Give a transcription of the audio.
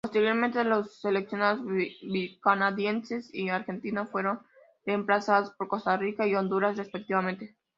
Posteriormente los seleccionados canadiense y argentino fueron reemplazados por Costa Rica y Honduras, respectivamente.